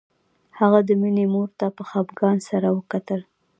هغه د مينې مور ته په خپګان سره وکتل